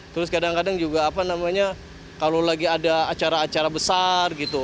terus kadang kadang juga apa namanya kalau lagi ada acara acara besar gitu